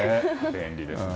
便利ですね。